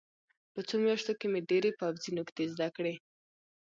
په څو میاشتو کې مې ډېرې پوځي نکتې زده کړې